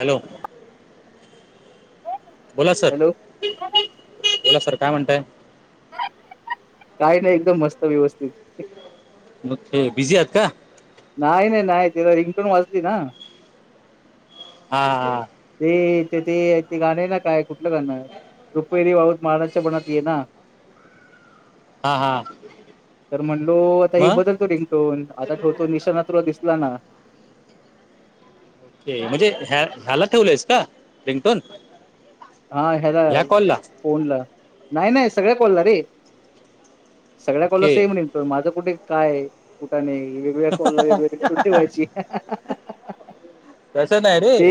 Hello. बोला sir hello बोला sir काय म्हणताय? काय नाही एकदम मस्त व्यवस्थित. मग ते बिझी आहात का? नाही नाही तिला रिंगटून वाजती ना. हा हा. ते क ते एक ते गाणेला काय कुठलं गाणं. रुपेरी वाऊत माळाच्या वनात ये ना. [inaudible] हा तर म्हणलो आता ही मग बदलतो रिंग टोन आता ठेवतो निशाणा तुला दिसला ना. ते म्हणजे ह्या ह्याला ठेवलंयस का रिंगटोन. हा ह्याला ह्या कॉलला फोनला नाही नाही सगळ्या कॉलला रे सगळ्या call okay same ring tone माझं कुठे काय कुठ नाही वेगळ्या कॉलला वेगळ्या थोडी ठेवायची. तसं नाही रे ते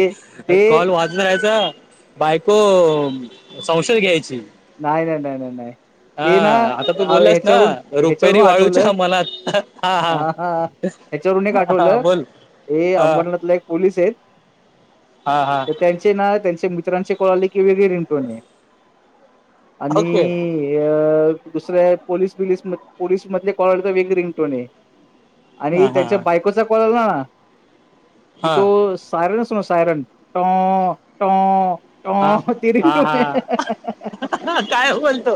अ ते कॉल वाजला याचा बायको संशय घ्यायची. नाही नाही नाय नाय नाय हा ते ना आता तू आ बोललास ना ह्याच्यावरून ह्याच्यावरून रुपेरी आठवलं वाळूच्या मनात हा हा हाच्यावरून एक हा हा आठवलं बोल ये हा अमरनाथला एक पोलीस आहेत. हा हा. त त्यांचे ना त्यांचे मित्रांचे कॉल आले की वेगळी रिंगटोन ये. आणि ओके ह्य दुसऱ्या पोलीस बिलीस मध पोलीस मधले कॉल तर वेगळी रिंगटोन ये. हा आणि हा त्याच्या हा बायकोचा कॉल आला ना हा तो सायरन असतो ना सायरन टॉ टॉ हा टॉ ती हा रिंगटोन ये. हा काय बोलतो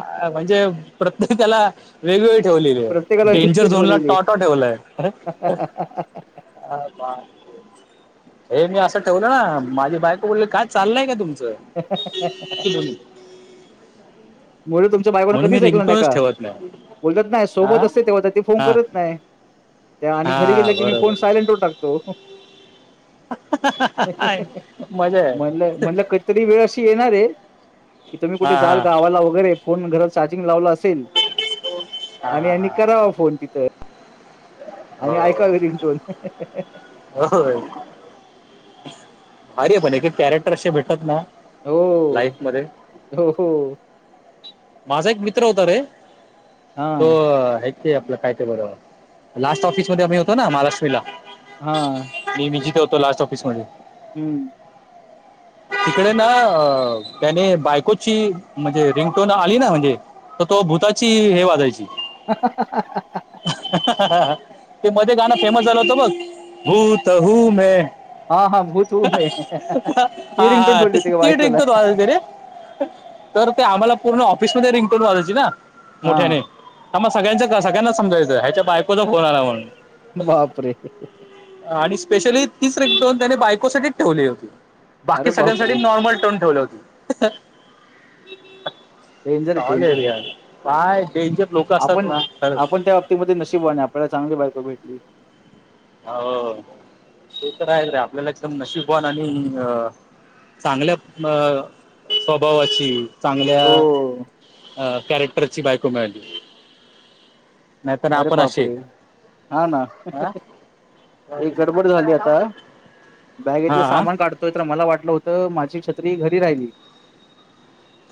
अ म्हणजे प्रत्येकाला वेगवेगळी ठेवलेली आहे, प्रत्येकाला डेंजर वेगळी झोन ला ठेवलेली टॉ टॉ ठेवलय. अय बा [unintelligible] ये मी असं ठेवलं ना माझी बायको बोल्ले काय चाल्लय काय तुमचं? [inaudible] मो [unintelligible] ते बायकोन म्हणून मी कधीच ऐकलं नाही रिंगटोनच का? ठेवत नाही. बोलतात ना हा सोबत असते तेव्हा त ते फोन हा करत नाही. त्या आणि घरी हा गेल की मी फोन बरोबर. सायलेंटवर टाकतो. मजा आहे म्हणलं म्हणलं कध तरी वेळ अशी येणार ये की तुम्ही हा कुठे जाल हा गावाला वगैरे फोन घरात चार्जिंग लावला अस चेल हा आणि हा आणि हा करावा फोन तिथं आणि हो ऐकावी रिंगटोन होय. अरे पण एक एक कॅरेक्टर असे भेटत ना हो. लाईफ मध्ये हो हो. माझा एक मित्र होता रे, तो हां, हाय ते आपलं काय ते बर, लास्ट ऑफिस मध्ये आम्ही होतो ना महालक्ष्मीला हा. ने मी जिथे होतो लास्ट ऑफिसमध्ये हम्म. तिकडे ना अ त्याने बायकोची म्हणजे रिंग टोन आली ना म्हणजे तर तो भूताची हे वाजायची [inaudible] [inaudible] ते मध्ये गाणं फेमस झालं होतं बघ भूत हू मे हां, हां. भूत हूं मैं. हा ती रिंगटोन हा ठेवली ते होती का ती बायकोला? रिंगटोन वाजायची रे तर ते आम्हाला पूर्ण ऑफिसमध्ये रिंगटोन वाजायची ना हां. मोठ्याने ह मग सगळ्यांच सगळ्यांनाच समजायचं ह्याच्या बायकोचा फोन आला म्हणून बापरे! आणि स्पेशली तीच रिंगटोन त्याने बायकोसाठीच ठेवली होती. बाकी अरे सगळ्यांसाठी बापरे! नॉर्मल टोन ठेवले होती. डेंजर आहे, डेंजर सॉलीड आहे. यार डेंजर लोक असतात ना खरंच ती ब ती नशीबवान आय आपल्याला चांगली बायको भेटली. हो ते तर आहेच रे, आपल्याला एकदम नशीबवान आणि अ चांगल्या म स्वभावाची चांगल्या हो अ कॅरेक्टरची बायको मिळाली. नाहीतर अरे आपण असे बापरे! हा ना. हा एक गडबड झाली आता. बॅगेतलं हा सामान काढतोय, तर मला वाटलं होतं माझी छत्री घरी राहिली.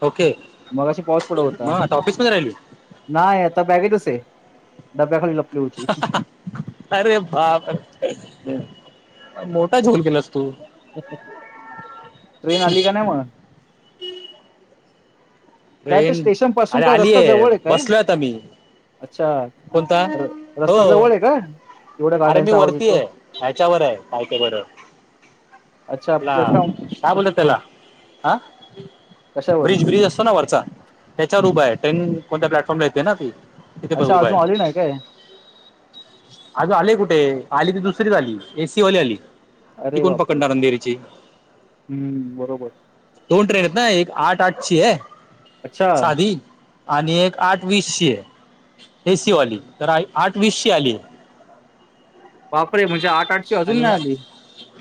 ओके मघाशी पाऊस पड होता. मग आता ऑफिसमध्ये राहिली नाहे, आता बॅगेतच ए. डब्ब्या खाली लप. ह हा हा. अरे बाप र! मोठा झोल केलास तू. ट्रेन आली का नाइ म? त्यात ट्रेन स्टेशन पासून अरे काय रस्ता आलीय जवळ ए काय? बसलोय आता मी अच्छा.. कोणता र-रस्ता जवळ ए का? एवढ्या आरे ते गाड्यांचा आवाज वरती येतो. ए. ह्याच्यावर ए. काय ते बरं अच्छा आ.. प्लॅटफॉर्म काय बोलतात कुठे आहे? त्याला? आ कशावर? ब्रिज-ब्रिज असतो ना वरचा त्याच्यावर उभा ए. ट्रेन कोणत्या प्लॅटफॉर्म ला येते ना. तिथे पण अच्छा, उभा अजून आली आहे नाही काय? आजू आली कुठे. आली त दुसरीच आली. एसीवाली आली. ती अरे कोण बापरे! पकडणार अंधेरीची? हम्म बरोबर. दोन ट्रेन एत ना. एक आठ आठची ये अच्छा साधी आणि एक आठ वीस ची ए. एसी वाली. तर आ आठ वीशी आली. वापरे म्हणजे आठ आणि अ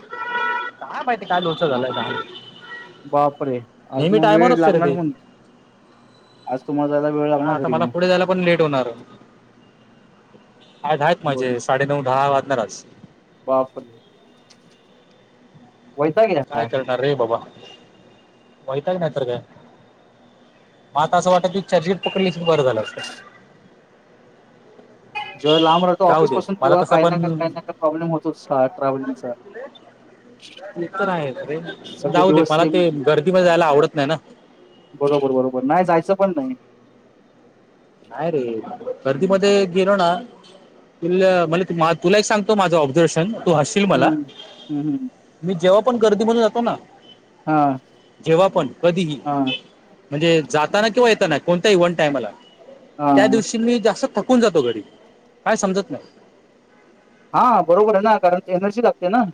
काय माहिती काय लोचा झालंय का. बापरे आज म वेळ लागणार म्हण आज तुम्हाला जायला वेळ हा लागणार आता घरी मला मग. पुढे जायला पण लेट होणार. हाएत हाएत माझे साडे नऊ दहा वाजणार आज. बापर! वैताग ए यांचा. चाल रे बाबा, वैताग नायतर काय. म आता असं वाटतं इच्छा ए जी पकडली असती बरं झालं असतं. जेव्हा लांब राहतो जाऊ ऑफीस दे पासून मला तेव्हा तसा काही पण ना काय काही ना काय प्रॉब्लेम होतोच हा ट्रॅव्हलिंगचा. ते तर आहेच रे. सगळे जाऊ दे दिवस मला सेम ते गर्दीमधे जायला आवडत नाही ना. बरोबर बरोबर. नाई जायचं पण नाही. न्हाई रे. गर्दी मध्ये गेलो ना तु मला, तुला एक सांगतो माझं ऑब्झर्वेशन. तू हसशील मला. हं. हं, हं. मी जेव्हा पण गर्दी मधे जातो ना हां, जेव्हा पण, कधीही हां, म्हणजे जाताना किंवा येताना कोणत्याही वन टायमाला. त्या हां. दिवशी मी जास्त थक कुन जातो घरी काय समजत नाही. हा बरोबर आए ना. कारण एनर्शी लागते ना.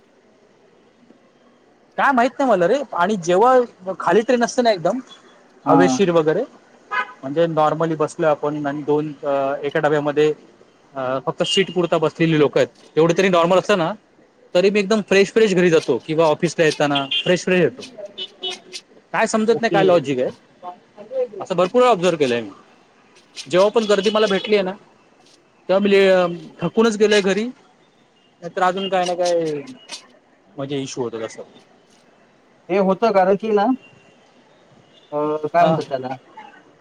काय माहित नाई मला रे आणि जेव्हा खाली ट्रेन असते ना एकदम हां, हवेशीर वगरे म्हणजे नॉर्मली बसलोय आपण आणि दोन एका डब्यामधे अ.. फक्त शीट पुरता बसलेली लोक एत तेवढे तरी नॉर्मल असतं ना तरी मी एकदम फ्रेश फ्रेश घरी जातो किंवा ऑफिस येताना फ्रेश फ्रेश येतो काय समजत नाई ओके. काय लॉजिक ए. असं भरपूर वेळा ऑब्सर्व केलंय मी. जेव्हा पण गर्दी मला भेटलिये ना तेव्हा मी लय थकूनच गेलोय घरी नाई तर अजून काय ना काय म्हणजे इश्यू होतात असं ते होतं कारण की ना अ.. काय हा म्हणत त्याला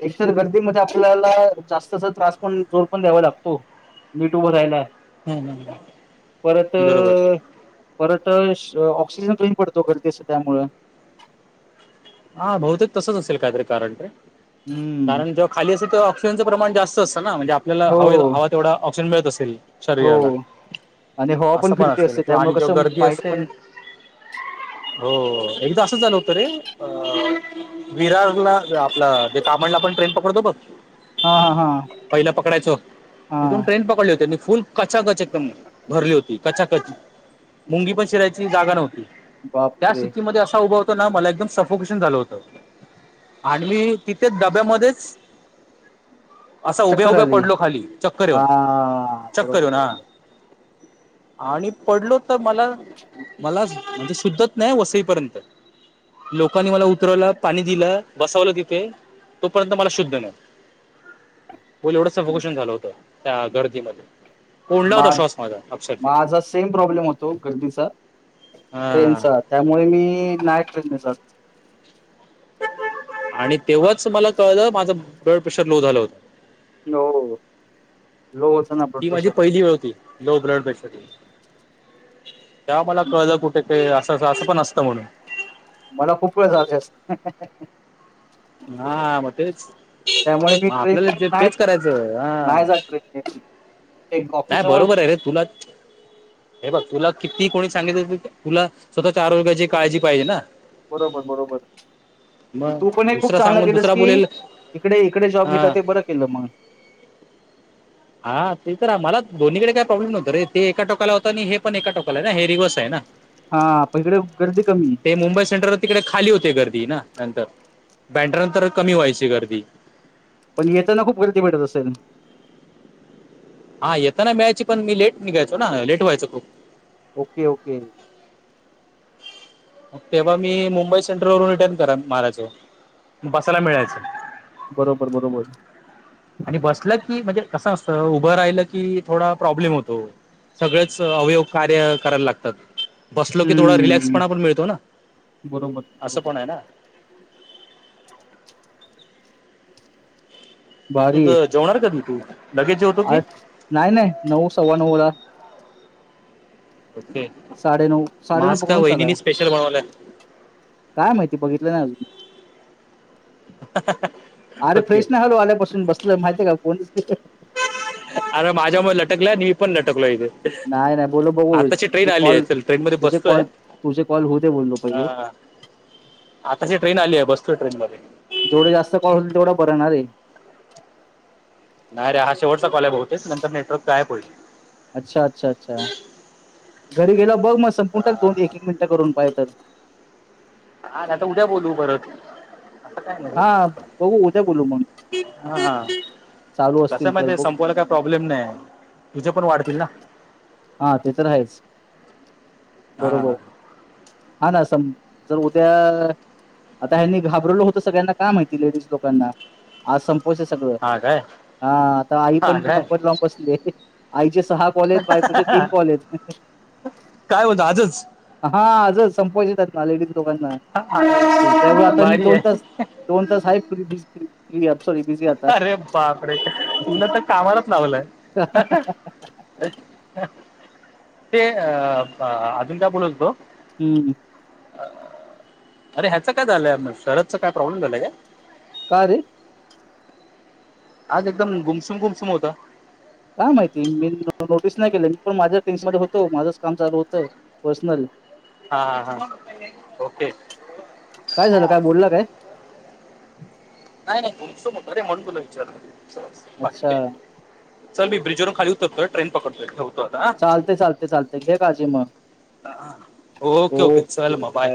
एकतर गर्दीमध्ये आपल्याला जास्त अस त्रास पण जोर पण द्यावा लागतो. नीट उभं रायला हम्म हम्म हम्म. परत बरोबर परतं ऑक्सिजन कमी पडतो गर्दी असते त्यामुळं. हा बहुतेक तसच असेल काहीतरी कारण ते हम्म कारण ज खाली असे त ऑसिजनचं प्रमाण जास्त असत ना म्हणजे आपल्याला हो हवे हावा तेवढा ऑक्सिजन मिळत असेल. हो शरीराला आणि हवा आसं पण फिरती असेल असते किंवा त्यामुळे आणि जेव्हा कसं गर्दी माइंड असते पण हो एकदा असंच झालं होतं रे अं, विरारला त आपला डे कामणला आपण ट्रेन पकडतो बघ हा हा हा पहिला पकडायचो तीथून हा ट्रेन पकडली होति मी फुल कचाकच एक दम भरली होती कचाकच मुंगी पण शिरायची जागा नव्हती. त्या बापरे स्थितीमध्ये असा उभा होतो ना मला एकदम स फोकेशन झालं होत. आणि मी तिथे डब्यामध्येच असा उभ्या चक्कर उभ्या आली पडलो खाली चक्कर हा येऊन चक्कर बरोबर येऊन हा. बरोबर आणि पडलो त मला मला शुद्धच नाही वसईपर्यंत. लोकांनी मला उतरवलं पाणी दिलं बसवलं तिथे तोपर्यंत मला शुद्ध नाय. बोल एवढं सफोकेशन झालं होतं त्या गर्दीमध्ये. कोंडला होता माझ श्वास माझा अक्षरशः माझा सेम प्रॉब्लेम होतो गर्दीचा. हा. ट्रेनचा त्यामुळे मी नाई ट्रेनने जात. आणि तेव्हाच मला कळलं माझं ब्लड प्रेशर लो झालं होत. नो हो. लो होतं ना. ब्लड ती माझी प्रेशर पहिली वेळ होती. लो ब्लड प्रेशरची. तेव्हा मला कळलं कुठे ते आसं आसं आसं पण असतं म्हणून. मला खूप वेळ झालाय अस. [inaudible] हा म तेच त्यामुळे मी म ट्रेन आपल्याला ते नाही तेच करायचं हा. नाही जात ट्रेन नि. नाही बरोबर आहे रे तुला हे बघ तुला किती कोणी सांगितलं त तुला स्वतःच्या आरोग्याची काळजी पाहिजे ना. बरोबर बरोबर. म मग तू पण हे खूप दुसरा चांगलं सांगून केलंस दुसरा की बोलेल इकडे इकडे जॉब घेता हा ते बरं केलं म. हा ते तर आमला दोन्हीकडे काही प्रॉब्लेम नव्हतं रे ते एका टोकाला होत नि हे पण एका टोकाला ना हे रिवस आहे ना. हा प इकडे गर्दी कमी. ते मुंबई सेंट्रल तिकडे खाली होते गर्दी ना नंतर ब्यांड्रा नंतर कमी व्हायची गर्दी. पण येताना खूप गर्दी भेटत असेल? हा येताना मिळायची पण मी लेट निघायचो ना लेट व्हायचं खूप. Okay okay. तेव्हा मी मुंबई सेंट्रल वरू रिटर्न करा मारायचो बसायला मिळायचं. बरोबर बरोबर. आणि बसलं की म्हणजे कसं असतं उभं राहिलं की थोडा प्रॉब्लेम होतो. सगळेच अवयव कार्य करायला लागतात. बसलो की थोडा रिलॅक्स हम्म पणा पण मिळतो ना बरोबर असं बरोबर पण आहे ना. तुंझं जेवणार कधी तू? लगेच जेवतो की आज नाई नाई नऊ सव्वा नऊला. ओके. साडेनऊ मग साडेनऊ आज का पकडून चाला वहिनीनी स्पेशल बनवलाय काय माहिती बघितलं नाय आजून. आरे ओके फ्रेश नाही हलो आल्यापासून बसलोय माहिते का फोन आरं माझ्या मूळे लटकलय मि पण लटकलो ईथे. नाही नाही बोल बघू आताची ट्रेन तुझे आली आहे कॉल चल ट्रेन मध्ये तुझे बसतोय. कॉल तुझे कॉल होऊ दे बोललो पहिले हा. आताची ट्रेन आली आहे बसतो ट्रेन मधे. जेवढे जास्त कॉल होतील तेवढं बरं ना रे. नाही रे हा शेवटचा कॉल बहुतेच नंतर नेटवर्क गायब होईल. अच्छा अच्छा अच्छा घरी गेला बघ मग संपूून दोन एक एक मिनिटं करून पाय तर हा आता उद्या बोलू परत. आता काय नाही हा बघू उद्या बोलू मग हा हा चालू कसं असतील आहे तर माहिती बघू संपवायला काय प्रॉब्लेम नाही तुझे पण वाढतील ना. हा ते तर आहेच हा बरोबर. हा ना स जर उद्या आता ह्यांनी घाबरवलं होतं सगळ्यांना काय माहिती लेडीज लोकांना आज स सगळ हा काय हा आता आई हा पण काय नंबर लावून बसले आईचे सहा कॉलेज बायकोचे तीन कॉलेज काय होत आजच? हा अज संपवायचेेत ना लेडीज दोकांना त्यामुळे आता मी भारी दोन आहे तास दोन तास आहे फ्री [unintelligible] अरे बापरे तुन तर कामालाच लावलंय. [unintelligible] ते अ अजून का बोलत होतो. हम्म अरे ह्याच काय झालंय शरदचा काय प्रॉब्लेम झालाय काय? का रे? आज एकदम गुमसुम गुमसुम होता. काय माहिती मी नोटीस नाही केलं मी पण माझ्या टेन्श मध्ये होतो माझंच काम चालू होतं पर्सनल हा हा ओकेच. काय झालं काय बोलला काय नाही नाही पुरुषो म त मण तुला विचारल. बाकी अच्छा काय चल मी ब्रिज वरून खाली उतरतोय ट्रेन पकडतोय ठेव चालतेय चालते चालतेय घे काळजी मग. ओके ओके चल मग बाय.